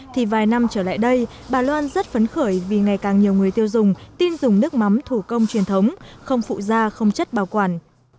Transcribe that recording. thì vài năm trở lại đây bà loan rất phấn khởi vì ngày càng nhiều người tiêu dùng tin dùng nước mắm thủ công truyền thống không phụ da không chất bảo quản